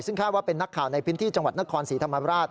ซึ่งคาดว่าเป็นนักข่าวในพื้นที่จังหวัดนครศรีธรรมราช